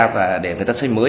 và để người ta xây mới